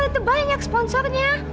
itu banyak sponsornya